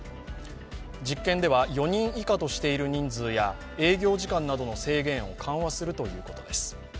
実験では４人以下としている人数や、営業時間などの制限を緩和するということです。